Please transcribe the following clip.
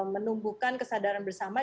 menumbuhkan kesadaran bersama